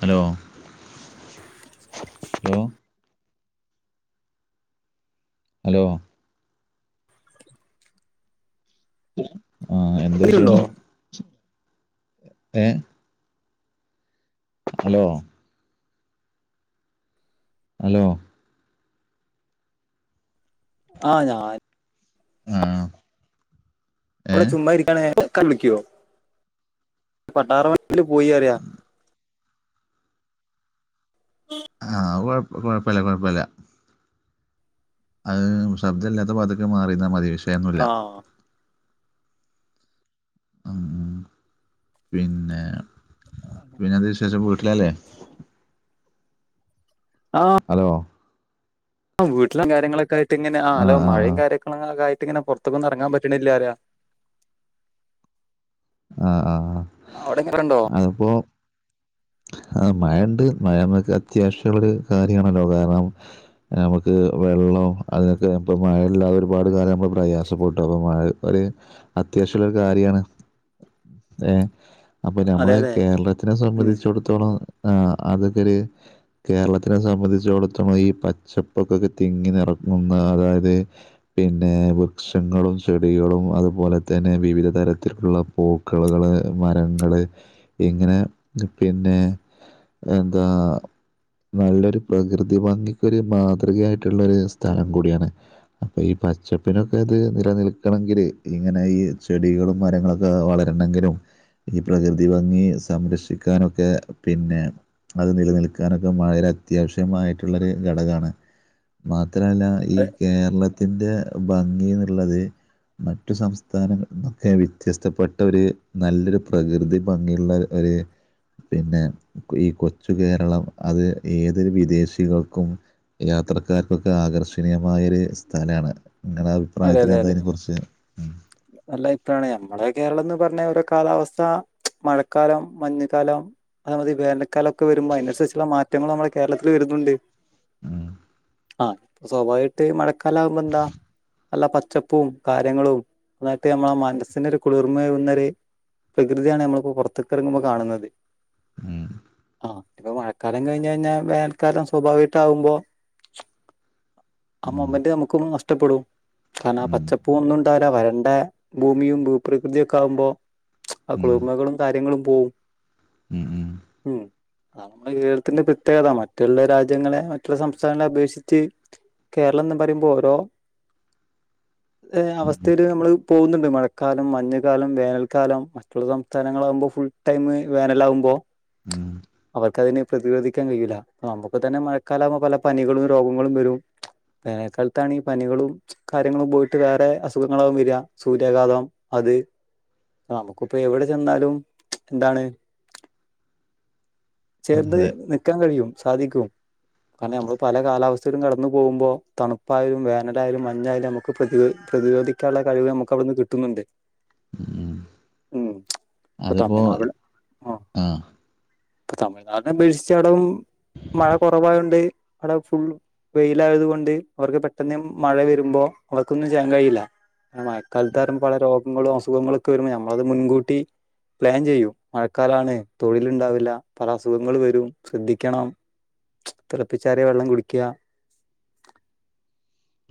Hello ലോ hello എന്ത് വിഷയം അവധിയുണ്ടോ ഏ ഹലോ ഹലോ ആ ഞാൻ ആ ഏ അവിടെ ചുമ്മാ ഇരിക്കാണേ [unintelligible] വെക്കോ പട്ടാറ വണ്ടീല് പോയീ അറിയ ആ അത് കൊഴപ്പ കൊഴപ്പല്ല കൊഴപ്പല്ല അഹ് ശബ്ദം ഇല്ലാത്ത ഭാത്ത്ക്ക് മാറിന്നാ മതിയേ ആ ഉം ഉം പിന്നെ പിന്നെ എന്ത് വിശേഷം പോ ട്ട്ലല്ലേ അലോ ആ വീട്ടിലെ കാര്യങ്ങളൊക്കെ ആയിട്ട് ഇങ്ങനെ ആ ഹലോ മഴയും കാര്യക്കങ്ങ [unintelligible] ഇങ്ങനെ പൊർത്ത്ക്കൊന്നും അർങ്ങാൻ പറ്റ്ണ്ല്ല അറിയാ അ ആ ആ ആ അവിടെക്കെണ്ടോ ആ മഴണ്ട് മഴ നമ്മക്ക് അത്യാവശ് [unintelligible] കാര്യാണല്ലോ കാരണം നമുക്ക് വെള്ളം അതിനൊക്കെ ഇപ്പം മഴയില്ലാതെ ഒരുപാ ഒരു കാലം നമ്മള് പ്രയാസപെട്ടപ്പൊ മഴ ഒര് അത്യാവശ്യള്ള ഒരു കാര്യാണ്. ഏ അപ്പൊ അതെ ഞമ്മള് അതെ കേരളത്തിനെ ഉം സംബന്ധിച്ചോട്‌ത്തോളം ആ അതൊക്കെ ഒര് കേരളത്തിനെ സംബന്ധിച്ച [unintelligible] പച്ചപ്പൊക്കൊക്കെ തിങ്ങി നിറങ്ങുന്ന അതായത് പിന്നെ വൃക്ഷങ്ങളും ചെടികളും അതുപോലെ തന്നെ വിവിധ തരത്തിലുള്ള പൂക്കളുകള് മരങ്ങള് ഇങ്ങനെ പിന്നെ എന്താ നല്ലൊരു പ്രകൃതി ഭംഗിക്ക് ഒരു മാതൃകയായിട്ടുള്ള ഒരു സ്ഥലം കൂടിയാണ് അപ്പൊ ഈ പച്ചപ്പിനൊക്കെ ഇത് നിലനിൽക്കണങ്കില് ഇങ്ങനെ ഈ ചെടികളും മരങ്ങളൊ വളരണെങ്കിലും ഈ പ്രകൃതി ഭംഗി സംരക്ഷിക്കാനൊക്കെ പിന്നെ അത് നിലനിൽക്കാനൊക്കെ മഴര അത്യാവശ്യമായിട്ടുള്ളരു ഘടകാണ്. മാ ത്രല്ല ഈ അതെ കേരള ത്തിന്റെ ഭംഗി എന്നുള്ളത് മറ്റു സംസ്ഥാനങ്ങളന്നൊക്കെ വി വ്യത്യസ്ഥപ്പെട്ടര് നല്ലൊരു പ്രകൃതി ഭംഗിയുള്ള ഒര് പിന്നെ ഈ കൊച്ചു കേരളം അത് ഏതൊരു വിദേശികൾക്കും യാത്രക്കാർക്കൊക്കെ ആകർഷണീയമായൊ ഒരു സ്ഥലമാണ് നിങ്ങളുടെ അഭിപ്രായത്തി എന്ത അതിനെ കുറിച്ച് ഉം അല്ല ഇപ്പോഴാണ് ഞമ്മടെ കേരളം എന്ന് പറഞ്ഞ ഓരോ കാലാവസ്ഥ മഴക്കാലം, മഞ്ഞ്ക്കാലം, അതേമാതിരി വേനൽക്കാലം ക്കെ വരുമ്പം അയ്നൻസർച്ചുള്ള മാറ്റങ്ങളും നമ്മുടെ കേരളത്തിൽ വെരു നുണ്ട് ഉം ആ സ്വഭാവമായിട്ട് മഴക്കാല ആവുമ്പോ എന്താ നല്ല പച്ചപ്പും കാര്യങ്ങളും ന്നായിട്ട് നമ്മളെ മനസ്സിനൊ ഒരു കുളിർമരുന്നഒരു പ്രകൃതിയാണ് നമ്മളിപ്പോ പുറത്തക്കിറങ്ങുമ്പോൾ കാണുന്നത് ഉം ആ ഇപ്പൊ മഴക്കാലം കഴിഞ്ഞ കഴിഞ്ഞാൽ വേനൽക്കാലം സ്വാഭാവികട്ടാ ആവുമ്പോ ആ ഉം മെമ്മന്റ് നമുക്ക് നഷ്ടപ്പെടും കാരണം ആ ഉം പച്ചപ്പൂ ഒന്നും ഇണ്ടാല വരണ്ട നടെ ഭൂമിയും ഭൂപ്രകൃതിയ ഒക്കെ ആകുമ്പോ ഉം ആ ഉം കുളിർമകളും കാര്യങ്ങളും പോകും ഉം ഉം അതാണ് നമ്മുടെ കേരളത്തിന്റെ പ്രത്യേകത മറ്റുള്ള രാജ്യങ്ങളെ മറ്റുള്ള സംസ്ഥാനങ്ങളെ അപേക്ഷിച്ച് കേരളം എന്ന് പറയുമ്പോ ഓരോ ഉം അവസ്ഥയിയില് നമ്മള് പോകുന്നുണ്ട് മഴക്കാലം മഞ്ഞ കാലം വേനൽക്കാലം മറ്റുള്ള സംസ്ഥാനങ്ങളൾ ആകുമ്പോൾ ഫുൾ ടൈം വേനല് ആകുമ്പോൾ ഉം ഉം അവർക്ക് അതിന് പ്രതിരോധിക്കാൻ കഴിയില്ല നമുക്ക് തന്നെ മഴക്കാല ആക്പോ പല പനികളും രോഗങ്ങളും വരും വേനക്കാലത്താണ് പനികളും കാര്യങ്ങളും പോയിട്ട് വേറെ അസുഖങ്ങളാകും വരിക സൂര്യാഘാതം അത് നമുക്കിപ്പോ എവിടെ ചെന്നാലും എന്താണ് ചേർന്ന് അതെ നിക്കാൻ കഴിയും സാധിക്കും കാരണം നമ്മൾ പല കാലാവസ്ഥയിലും കടന്നു പോകുമ്പോ തണുപ്പായാലും വേനലായാലും മഞ്ഞായാലും നമുക്ക് പ്രതിക പ്രതിരോധിക്കാനുള്ള കഴിവ് നമുക്ക് അവിടുന്ന് കിട്ടുന്നുണ്ട് ഉ ഉം ഇപ്പൊ അതിപ്പോ തമിഴ്നാട് ആ ഇപ്പൊ തമിഴ്നാടിനെ അപേക്ഷിച്ചടവും മഴ കുറവായതുകൊണ്ട് അവിടെ ഫുൾ വെയിലയത് കൊണ്ട് അവർക്ക് പെട്ടെന്ന് മഴ വരുമ്പോ അവക്കൊന്നും ചെയ്യാൻ കഴിയി കൽത്താരം പല രോഗങ്ങളും അസുഖങ്ങളൊക്കെ വരുമ്പോൾ നമ്മളത് മുൻകൂട്ടി പ്ലാൻ ചെയ്യൂ മഴക്കാലാണ് തൊഴിലുണ്ടാവില്ല പല അസുഖങ്ങൾ വരും ശ്രദ്ധിക്കണം തിളപ്പിച്ചറിയ വെള്ളം കുടിക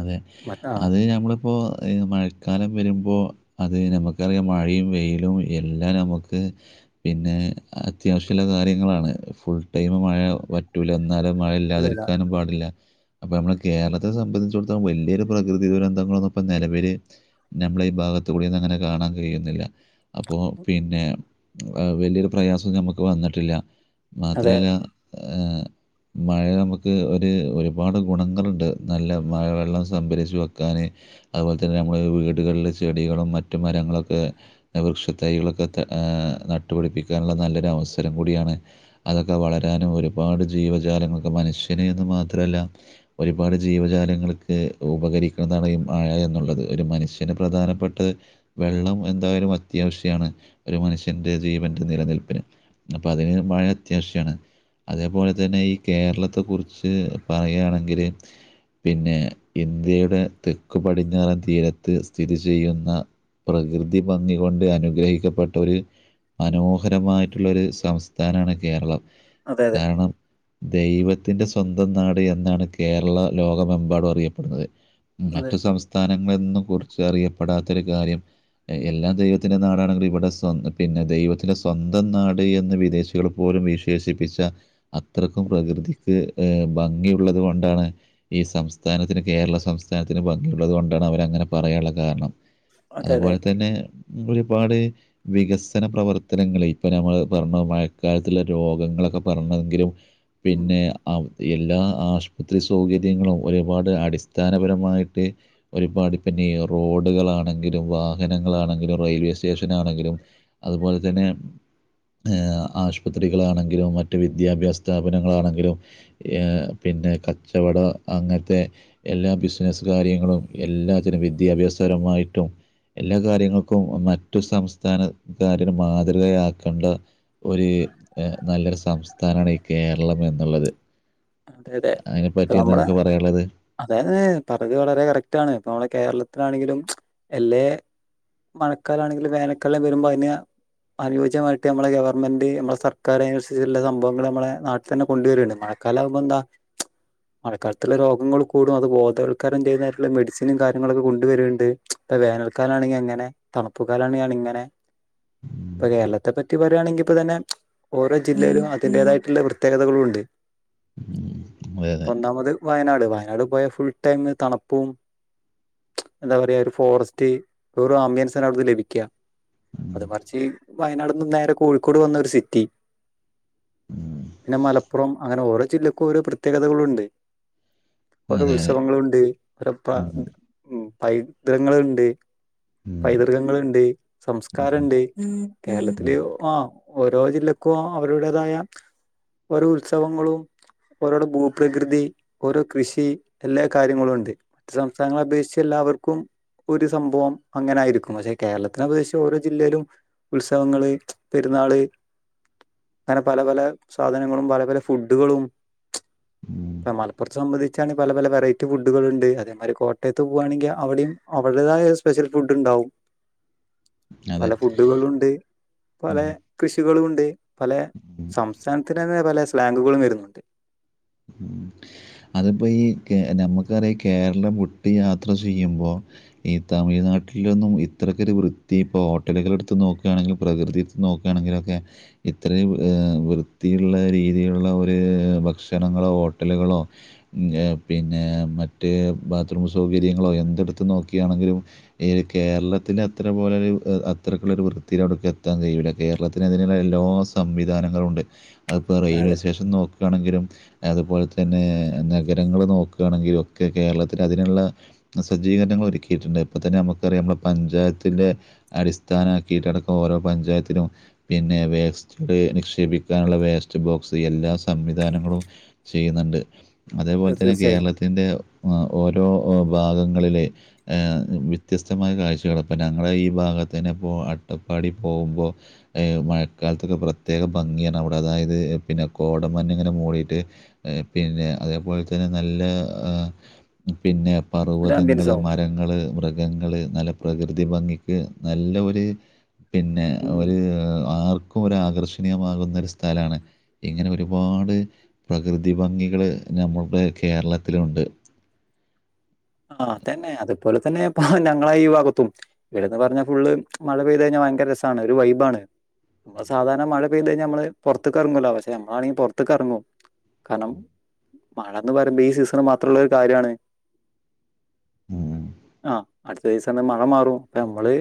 അതെ മറ്റ ആ അത് നഞമ്മളിപ്പോ അത് മഴക്കാലം വരുമ്പോൾ അത് നമുക്കറിയാം മഴയും വെയിലും എല്ലാം നമുക്ക് പിന്നെ അത്യാവശ്യമുള്ള കാര്യങ്ങളാണ് ഫുൾ ടൈം മഴ പറ്റൂല എന്നാലും ഇല്ലല്ല മഴയില്ലാതിരിക്കാനും പാടില്ല അപ്പൊ നമ്മള് കേരളത്തെ സംബന്ധിച്ചടത്തേ ഇ വലിയൊരു പ്രകൃതി ദുരന്തങ്ങളൊന്നും ഇപ്പോ നിലവൽ നമ്മള ഈ ഭാഗത്ത കൂടെന്ന അങ്ങനെ കാണാൻ കഴിയുന്നില്ല അപ്പോ പിന്നെ വലിയൊരു പ്രയാസം ഞമ്മുക്ക് വന്നിട്ടില്ല അതെ മാത്രല്ല മഴ നമുക്ക് ഒരു ഒരുപാട് ഗുണങ്ങളുണ്ട് നല്ല മഴ വെള്ളം സംഭരിച്ചച്ച് വെക്കാാന് അതുപോലെ തന്നെ നമ്മുടെ വീടുകളില് ചെടികളും മറ്റു മരങ്ങളൊക്കെ വൃക്ഷ തൈകളൊക്കെ ആ നട്ടുപടിപ്പിക്കാനുള്ള നല്ലൊരു അവസരം കൂടിയാണ് അതൊക്കെ ക്കെ വളരാനും ഒരുപാട് ജീവജാലങ്ങളൊക്കെ മനുഷ്യന്ന്ന് മാത്രമല്ല ഒരുപാട് ജീവജാലങ്ങ ഉപകരിക്കുന്നതാണ് ഈ മഴ എന്നുള്ളത് ഒരു മനുഷ്യന് പ്രധാനപ്പെട്ട വെള്ളം എന്തായാലും അത്യാവശ്യമാണ് ഒരു മനുഷ്യറെ ജീവൻന്റെ നിലനിൽപ്പന് അപ്പൊ അതിന് മഴ അത്യാവശ്യമാണ് അതേപോലെ തന്നെ ഈ കേരളത്തെ കുറിച്ച് പറയയാണെങ്കില് പിന്നെ ഇന്ത്യയുടെ തെക്കു പടിഞ്ഞാറൻ തീരത്ത് സ്ഥിതി ചെയ്യുന്ന പ്രകൃതി ഭംഗി കൊണ്ട് അനുഗ്രഹിക്കപ്പെട്ടോര് മനോഹരമായിട്ടുള്ളൊരു സം. താനാണ് കേരളം. അതെ അതെ കാരണം. ദൈവത്തിന്റെ സ്വന്തം നാട് എന്നാണ് കേരള ലോകമെമ്പാടും അറിയപ്പെടുന്നത്. അതെ മറ്റു സംസ്ഥാനങ്ങളിൽ നിന്നും കുറിച്ച് അറിയപ്പെടാത്ത ഒരു കാര്യം. എല്ലാ ദൈവത്തിന്റെ നാടാണെങ്കിലും. ഇവിടെ സ്വന്തം പിന്നെ ദൈവത്തിന്റെ സ്വന്തം നാട് എന്ന് വിദേശികൾ പോലും. വിശേഷിപ്പിച്ച അത്രയ്ക്കും പ്രകൃതിക്ക് ഏ ഭംഗിയള്ളത്കൊണ്ടാണ്. ഈ സംസ്ഥാനത്തിന് കേരള സംസ്ഥാനത്തിന് കേരള സംസ്ഥാനത്തിന് ഭംഗിയുള്ളത് കൊണ്ടാണ് അവരങ്ങനെ പറയാനുള്ള കാരണം. അതെ അതെ അതുപോലെ തന്നെ ഒരു. ഒരുപാട് വികസന പ്രവർത്തനങ്ങൾ. ഇപ്പൊ നമ്മൾ പറഞ്ഞ മഴക്കാലത്തുള്ള രോഗങ്ങളൊക്കെ പറഞ്- ഉം പിന്നെ എല്ലാ ആശുപത്രി സൗകര്യ. ങ്ങളും ഒരുപാട് അടിസ്ഥാനപരമായിട്ട് ഒരുപാട് പിന്നെ റോഡുകളാണെങ്കിലും. വാഹനങ്ങളാണെങ്കിലും റെയിൽവേ സ്റ്റേഷനാണെങ്കിലും അതുപോലെ തന്നെ. ഏ, ആശുപത്രികളാണെങ്കിലും. മറ്റ് വിദ്യാഭ്യാസ സ്ഥാപനങ്ങളാണെങ്കിലും. ഏ പിന്നെ കച്ചവട, അങ്ങനത്തെ എല്ലാ ബിസിനസ്സ് കാര്യങ്ങളും എല്ലാത്തിനും വിദ്യാഭ്യാസപരമായിട്ടും എല്ലാ കാര്യങ്ങൾക്കും മറ്റു സംസ്ഥാനക്കാരനു മാതൃകയാക്കേണ്ട ഒരു നല്ലൊരു സംസ്ഥാനാണ് ഈ കേരളം എന്നുള്ളത്. അതെ, അതെ, ഇപ്പ അതിനെപ്പറ്റി എന്താ നമ്മള നിങ്ങൾക്ക് പറയാനുള്ളത് അതായത് പറതി വളരെ കറക്റ്റ്ആണ് ഇപ്പ നമ്മള കേര, കേരളത്തിലാണെങ്കിലും. എല്ലേ മഴക്കാല ആണെങ്കിലും വേനൽക്കാലം വരുമ്പോ അതിനെ. അനുയോജ്യമായിട്ട് നമ്മെളെ ഗവൺമെന്റ് നമ്മളെ സർക്കാർ അതിനനുസരിച്ചുള്ള സംഭവങ്ങൾ നമ്മളെ നാട്ടിൽ തന്നെ കൊണ്ടുവരാണ്. മഴക്കാലം ആവുമ്പോ, ബന്ത, മഴക്കാലത്തുള്ള രോഗങ്ങൾ കൂടും. അത് ബോധവൽക്കരണം ചെയ്യുന്നതായിട്ടുള്ള മെഡിസിനും കാര്യങ്ങളൊക്കെ കൊണ്ടുവരിൻ ട്. ഇപ്പൊ വേനൽക്കാലാണെങ്കിൽ എങ്ങനെ തണുപ്പു കാലാണെങ്കിലിങ്ങനെ. ഇപ്പൊ കേരളത്തെ പറ്റി പറയയാണെങ്കിൽ ഇപ്പ തന്നെ ഓരോ ജില്ലയിലും അതിന്റേതായിട്ടുള്ള പ്രത്യേകതകളും ഉണ്ട്. [inaudible] അതെ അതെ ഇപ്പൊന്നാമത് വയനാട് വയനാട് പോയ ഫുൾ ടൈം തണുപ്പും. എന്താ പറയാ ഒരു ഫോറസ്റ്റ്. ഒരു ആംബിയൻസാണ്‌ അവിടുന്ന്ലഭിക്യ. ഉം. അത് മറിച്ച് വയനാട്ന്ന് നേരെ കോഴിക്കോട് വന്ന ഒരു സിറ്റി. പിന്നെ മലപ്പുറം അങ്ങനെ ഓരോ ജില്ലക്കും ഓരോ പ്രത്യേകതകളുണ്ട്. ഓരോ അതെ അതെ ഉത്സവങ്ങളുണ്ട്. ഓരോ പ ഉം. പൈതൃങ്ങളുണ്ട്. ഉം. പൈതൃകങ്ങളുണ്ട്. ഉം. സംസ്കാരണ്ട്. കേരളത്തില് ഉം. ആ, ഓരോ ജില്ലക്കും. ഇപ്പൊ അവരുടേതായ ഓരോ ഉത്സവങ്ങളും. ഓരോടെ ഭൂപ്രകൃതി ഓരോ കൃഷി എല്ലാ കാര്യങ്ങളും ഉണ്ട്. മറ്റു സംസ്ഥാനങ്ങളെ അപേക്ഷിച്ചിള്ള. എല്ലാവർക്കും. ഇപ്പം ഒരു സംഭവം അങ്ങനായിരിക്കും. പക്ഷെ കേരളത്തിനെ അപേക്ഷിച്ച് ഓരോ ജില്ലയിലും ഉത്സവങ്ങള് വരും. നാള്, [inaudible] അങ്ങനെ പല പല സാധനങ്ങളും പല പല ഫുഡുകളും. [inaudible] ഇപ്പ മലപ്പുറത്തെ സംബന്ധിച്ചാണ് പല പല വെറൈറ്റി ഫുഡുകളുണ്ട്. അതേമാതിരി കോട്ടയത്ത് പോവാണെങ്കിൽ അവിടെയും. വരിടായ ഒരു സ്പെഷ്യൽ ഫുഡ്ണ്ടാവും. [inaudible] അതെ പല ഫുഡുകളുണ്ട്. പല ഉം. കൃഷികളുംമുണ്ട്. പല ഉം. സംസ്ഥാനത്തിന് തന്നെ പല സ്ലാങ്കുകളും വരുന്നുണ്ട്. [unintelligible] അതിപ്പോൾ ഈ നമുക്കറിയാം. കേരളം വിട്ട് യാത്ര ചെയ്യുമ്പോൾ ഈ തമിഴ്നാട്ടിലൊന്നും ഇത്രക്കൊരു വൃത്തി ഇപ്പോൾ ഹോട്ടലുകളെടുത്ത് നോക്കുകയാണങ്കിലും പ്രകൃതി എടുത്ത്നോക്കാണെങ്കിലും അത്. ഇത്രയും വൃത്തിയുള്ള രീതിയിലുള്ള ഒരു ഭക്ഷ ക്ഷണങ്ങളോ ഹോട്ടലുകളോ പിന്നെ മറ്റ് ബാത്ത്റൂം സൗകര്യങ്ങളോ എന്ത എടുത്ത് നോക്കാണെങ്കിലും ഈ കേരളത്തിൻ്റെ അത്രപോലൊരു അത്രയ്ക്കുള്ള വൃത്തി അവിടെയ്ക് എത്താൻ കഴിയും. ഇവിടെ കേരളത്തിന് അതിന് എല്ലാ സംവിധാനങ്ങളും ഉണ്ട് അതിപ്പോ റെയിൽവേ അതെ സ്റ്റേഷൻ നോക്കുകയാണെങ്കിലും അതുപോലെ തന്നെ നഗരങ്ങൾ നോക്കുകയാണെങ്കില ഒക്കെ കേരളത്തിൽ അതിനുള്ള സജ്ജീകരണങ്ങൾ ഒരുക്കിയിട്ടുണ്ട് ഇപ്പ തന്നെ നമുക്കറിയ നമ്മുടെ പഞ്ചായത്തിന്റെ അടിസ്ഥാനമാക്കിയിട്ടടക്കം ഓരോ പഞ്ചായത്തിനും പിന്നെ വേസ്റ്റ് നിക്ഷേപിക്കാനുള്ള വേസ്റ്റ് ബോക്സ് എല്ലാ സംവിധാനങ്ങളും ചെയ്യുന്നുണ്ട് അതേപോലെ തന്നെ തീർച്ചയായും കേരളത്തിന്റെ ഓരോ ഭാഗങ്ങളിലെ വ്യത്യസ്തമായ കാഴ്ച കിടപ്പം ഞങ്ങളുടെ ഈ ഭാഗത്തിന് ഇപ്പോ അട്ടപ്പാടി പോകുമ്പോൾ മഴക്കാലത്തൊക്കെ പ്രത്യേക ഭംഗിയാണ് അവിടെ അതായത് പിന്നെ കോടമഞ്ഞ് ഇങ്ങനെ മൂടിയിട്ട് പിന്നെ അതേപോലെ തന്നെ നല്ല പിന്നെ ഒരു ആംബിയൻസ് പർവ്വതങ്ങള് ആവും മരങ്ങള് മൃ ഗങ്ങള് നല്ല പ്രകൃതി ഭംഗിക്ക് നല്ല ഒരു പിന്നെ ഉം ഒരു ആർ ഒരാകർഷണീയമാകുന്ന ഒരു സ്ഥലമാണ് ഇങ്ങനെ ഒരുപാട് പ്രകൃതി ഭംഗികള് നമ്മളുടെ കേരളത്തിലുണ്ട്. ആഹ തന്നെ അതുപോലെ തന്നെ ഇപ്പ ഞങ്ങളെ ഈ ഭാഗത്തും ഇവിടെന്ന് പറഞ്ഞ ഫുള് മഴ പെയ്ത കഴിഞ്ഞ ഭയങ്കര രസാണ് ഒരു വൈബാണ്. നമ്മൾ സാധാരണ മഴ പെയ്തു കഴിഞ്ഞാൽ നമ്മള് പുറത്തക്ക് ഇറങ്ങുവലോ പക്ഷെ നമ്മളാണെങ്കി പുറത്തേക്ക് ഇറങ്ങും. കാരണം മഴന്ന് പറയുമ്പോ ഈ സീസണ മാത്രള്ള ഒരു കാര്യാണ്. ഉം. ആഹ അടുത്ത ദിവസം തന്നെ മഴ മാറും അപ്പൊ നമ്മള്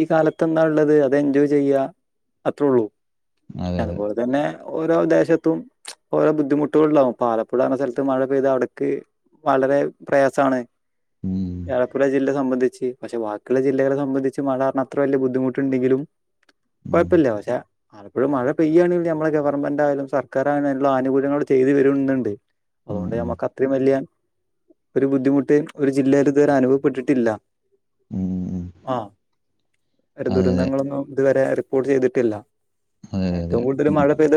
ഈ കാലത്ത് എന്താ ഉള്ളത് അത് എൻജോയ് ചെയ്യ അത്ര ഉള്ളൂ. അതെ അതെ അതുപോലെ തന്നെ ഓരോ ദേശത്തും ഓരോ ബുദ്ധിമുട്ടുകൾ ഉണ്ടാവും ആലപ്പുഴ എന്ന സ്ഥലത്ത് മഴ പെയ്ത അവിടക്ക് വളരെ പ്രയാസാണ്. ഉം. ആലപ്പുഴ ജില്ല സംബന്ധിച്ച് പക്ഷെ ബാക്കിയുള്ള ജില്ലകളെ സംബന്ധിച്ച് മഴ കാരണം അത്ര വലിയ ബുദ്ധിമുട്ടുണ്ടെങ്കിലും ഉം കൊയപ്പയില്ല പഷേ അപ്പോഴും മഴ പെയ്യയാണെങ്കിൽ മ്മെ ഗവൺമെന്റ ആയാലും സർക്കാരായാലും എല്ലാം ആനുകൂല്യങ്ങൾ ചെയ്തു വരുന്നുണ്ട്. ഉം അതുകൊണ്ട് ഉം മ്മക്ക് അത്രയും വല്യാ ഒരു ബുദ്ധിമുട്ട് ഒരു ജില്ലയിൽ ഇതുവരെ അനുഭവപ്പെട്ടിട്ടില്ല. ഉം ഉം ആ ഒരു അതെ അതെ ദുരന്തങ്ങളൊന്നും ഇതുവരെ റിപ്പോർട്ട് ചെയ്തിട്ടില്ല അതെ അ അതെ അതെ ഏറ്റവും കൂടുതൽ ഉം മഴ പെയ്ത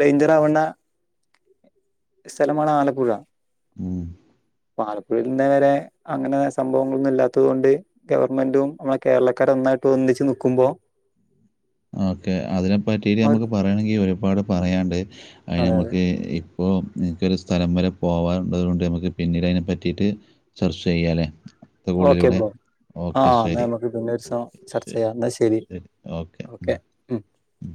ഡേഞ്ചർ ആവുന്ന സ്ഥലമാണ് ആലപ്പുഴ. ഉം ആലപ്പുഴയിൽ ഇന്നേ വരെ അങ്ങനെ സംഭവങ്ങളൊന്നും ഇല്ലാത്തത് കൊണ്ട് ഗവണ്മെന്റും നമ്മുടെ കേരള കാരും നന്നായിട്ട് ഒന്നിച്ച് നിക്കുമ്പോ [inaudible] ഓക്കെ അതിനെ പറ്റിട്ട് നമുക്ക് അവർക്ക് പറയണെങ്കിൽ ഒരുപാട് പറയാണ്ട് അതിന് അതെ അതെ നമുക്ക് ഈ അപ്പോ എനിക്കോരു സ്ഥലം വരെ പോവാറത് കൊണ്ട് നമുക്ക് പിന്നീട് അതിനെ പറ്റിട്ട് ചർച്ച ചെയ്യല്ലേ. അടുത്ത ഓക്കെ കോളിലൂടെ ബ്രോ ആ ഓക്കെ എന്നാ ശരി നമുക്ക് പിന്നെ ഒരു ഓ ദിവസം ചർച്ച ശരി ചെയ്യാം എന്നാ ശരി ഓക്കെ ഉം